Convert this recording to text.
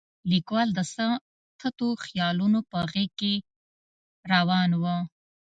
لیکوال د څه تتو خیالونه په غېږ کې راون و.